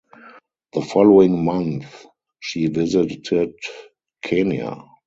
The following month she visited Kenya.